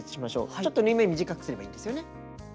ちょっと縫い目を短くすればいいんですよね。